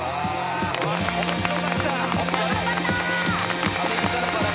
面白かった。